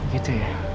oh gitu ya